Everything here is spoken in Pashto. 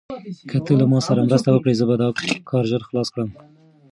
که ته له ما سره مرسته وکړې، زه به دا کار ژر خلاص کړم.